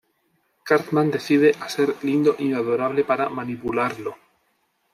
Cartman decide a ser lindo y adorable para manipularlo.